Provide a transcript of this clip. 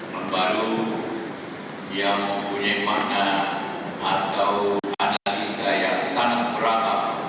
pembaru yang mempunyai makna atau analisa yang sangat berat